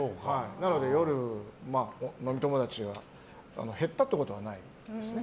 なので夜、飲み友達が減ったってことはないですね。